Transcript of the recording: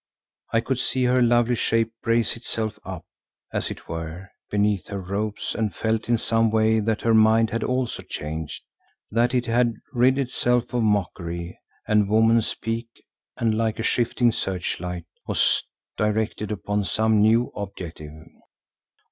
I could see her lovely shape brace itself up, as it were, beneath her robes and felt in some way that her mind had also changed; that it had rid itself of mockery and woman's pique and like a shifting searchlight, was directed upon some new objective.